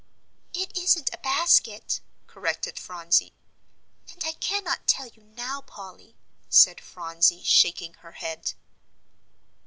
"It isn't a basket," corrected Phronsie, "and I cannot tell you now, Polly," said Phronsie, shaking her head.